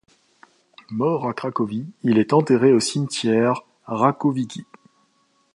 Mort à Cracovie, il est enterré au cimetière Rakowicki.